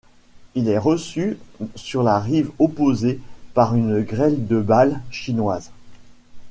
Il est reçu sur la rive opposée par une grêle de balles chinoises.